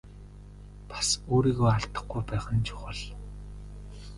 Бас өөрийгөө алдахгүй байх нь чухал.